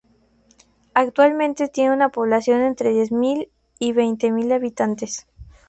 Actualmente tiene una población entre diez mil y veinte mil habitantes.